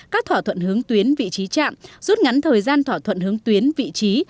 các thỏa thuận hướng tuyến vị trí chạm rút ngắn thời gian thỏa thuận hướng tuyến vị trí